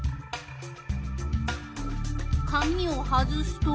紙を外すと？